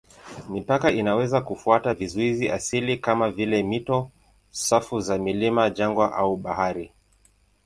Mipaka inaweza kufuata vizuizi asilia kama vile mito, safu za milima, jangwa au bahari.